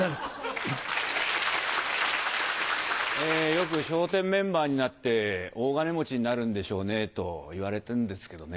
よく「笑点メンバーになって大金持ちになるんでしょうね」と言われてんですけどね。